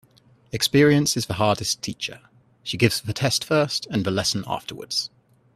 Experience is the hardest teacher. She gives the test first and the lesson afterwards.